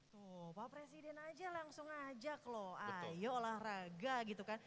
tuh pak presiden aja langsung ajak loh ayo olahraga gitu kan